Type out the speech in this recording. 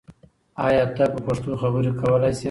آیا ته په پښتو خبرې کولای سې؟